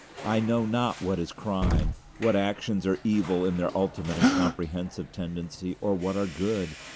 I know not what is crime; what actions are evil in their ultimate and comprehensive tendency, or what are good.